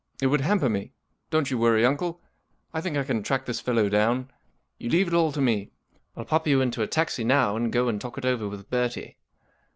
It would hamper me. Don't you worry, uncle; I think I can track this fellow down. You leave it all to me. I'll pop you into a taxi now, and go, and talk it over with Bertie."